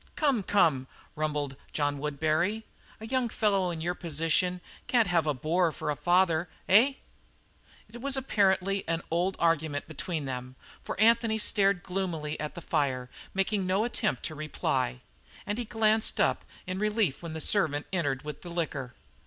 "Come, come!" rumbled John Woodbury. "A young fellow in your position can't have a boor for a father, eh?" It was apparently an old argument between them, for Anthony stared gloomily at the fire, making no attempt to reply; and he glanced up in relief when the servant entered with the liquor.